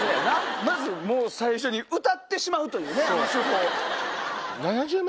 まず最初に歌ってしまうというね手法。